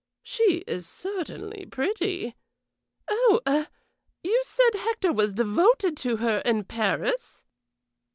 She is certainly pretty. Oh eh you said Hector was devoted to her in Paris?"